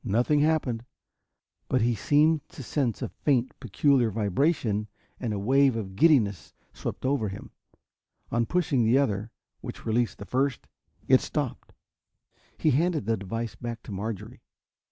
Nothing happened but he seemed to sense a faint, peculiar vibration and a wave of giddiness swept over him. On pushing the other, which released the first, it stopped. He handed the device back to Marjorie.